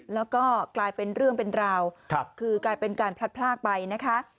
แล้วก็กลายเป็นเรื่องเป็นราวคือกลายเป็นการพลัดพลากไปนะคะ